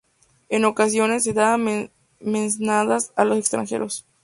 En ocasiones, se daban mesnadas a los extranjeros.